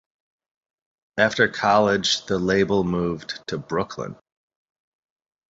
After college the label moved to Brooklyn.